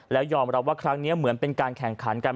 แล้วยอมรับว่าครั้งนี้เหมือนเป็นการแข่งขันกัน